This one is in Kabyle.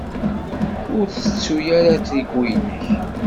Ur tettu ara atriku-inek.